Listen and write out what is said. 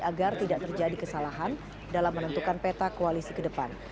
agar tidak terjadi kesalahan dalam menentukan peta koalisi ke depan